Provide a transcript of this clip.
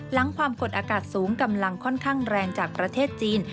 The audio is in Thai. ความกดอากาศสูงกำลังค่อนข้างแรงจากประเทศจีน